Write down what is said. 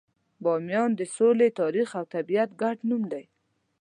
بامیان د سولې، تاریخ، او طبیعت ګډ نوم دی.